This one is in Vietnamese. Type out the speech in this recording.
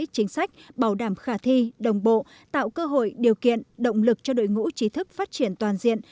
chính sách bảo đảm khả thi đồng bộ tạo cơ hội điều kiện động lực cho đội ngũ trí thức phát triển toàn diện